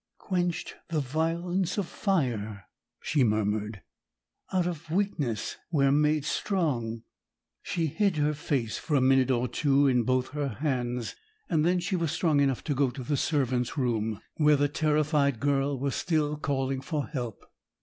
'"Quenched the violence of fire,"' she murmured; '"out of weakness were made strong."' She hid her face for a minute or two in both her hands; and then she was strong enough to go to the servant's room, where the terrified girl was still calling for help.